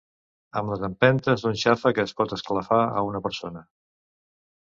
Amb les empentes d'un xàfec es pot esclafar a una persona